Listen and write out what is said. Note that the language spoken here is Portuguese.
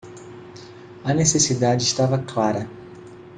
A necessidade estava clara